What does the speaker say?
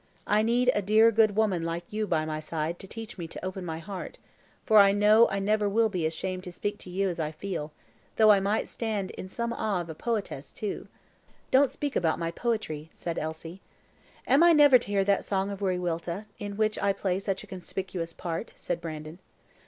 I need a dear good woman like you by my side to teach me to open my heart, for I know I never will be ashamed to speak to you as I feel though I might stand in some awe of a poetess, too." "Don't speak about my poetry," said Elsie. "Am I never to hear that song of Wiriwilta, in which I play such a conspicuous part?" said Brandon.